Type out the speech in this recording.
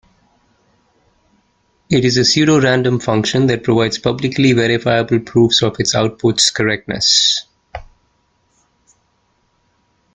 It is a pseudo-random function that provides publicly verifiable proofs of its outputs' correctness.